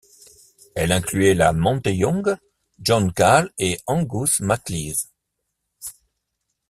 Elle incluait La Monte Young, John Cale et Angus MacLise.